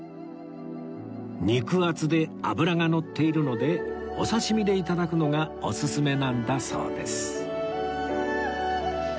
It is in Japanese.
肉厚で脂がのっているのでお刺し身で頂くのがおすすめなんだそうです